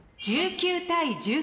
１９対１９。